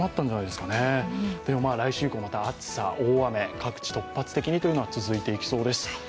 でも来週以降、また暑さ、大雨、各地突発的には続いていきそうです。